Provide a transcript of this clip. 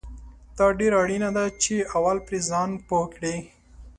دا ډیره اړینه ده چې اول پرې ځان پوه کړې